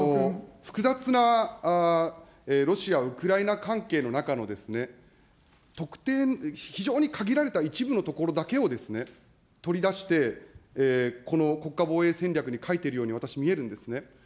複雑なロシア、ウクライナ関係の中の特定の、非常に限られた一部のところだけを取り出して、この国家防衛戦略に書いているように私、見えるんですね。